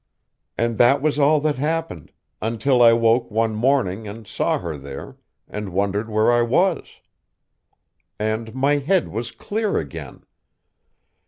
"And that was all that happened, until I woke one morning and saw her there, and wondered where I was. And my head was clear again.